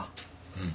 うん。